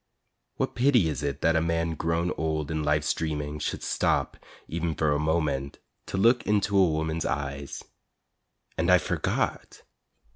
What pity it is that a man grown old in life's dreaming Should stop, e'en for a moment, to look into a woman's eyes. And I forgot!